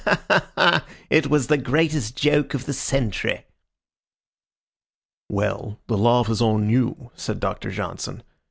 Ha ha ha! It was the greatest joke of the century." "Well, the laugh is on you," said Doctor Johnson.